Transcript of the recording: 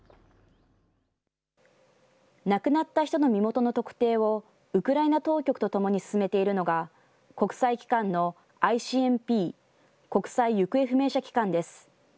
亡くなった人の身元の特定を、ウクライナ当局とともに進めているのが、国際機関のＩＣＭＰ・国際行方不明者機関です。